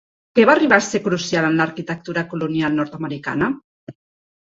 Què va arribar a ser crucial en l'arquitectura colonial nord-americana?